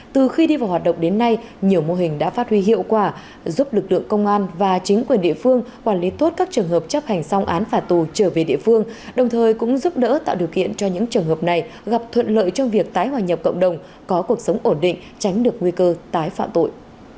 từ khi đi vào hoạt động đến nay nhiều mô hình đã phát huy hiệu quả giúp lực lượng công an và chính quyền địa phương quản lý tốt các trường hợp chấp hành xong án phả tù trở về địa phương đồng thời cũng giúp đỡ tạo điều kiện cho những trường hợp này gặp thuận lợi trong việc tái hòa nhập cộng đồng có cuộc sống ổn định tránh được nguy cơ tái phạm tội